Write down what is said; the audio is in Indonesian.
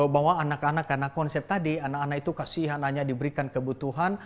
bahwa anak anak karena konsep tadi anak anak itu kasihan hanya diberikan kebutuhan